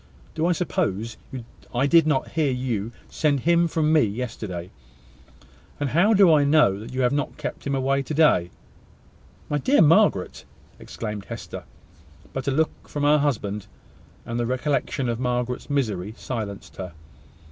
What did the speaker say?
Do you suppose I did not hear you send him from me yesterday? And how do I know that you have not kept him away to day?" "My dear Margaret!" exclaimed Hester: but a look from her husband, and the recollection of Margaret's misery, silenced her.